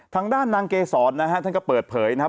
ทางด้านนางเกษรนะฮะท่านก็เปิดเผยนะครับ